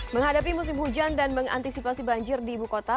menghadapi musim hujan dan mengantisipasi banjir di ibu kota